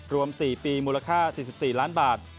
รวม๔ปีมูลค่า๔๔ล้านบาท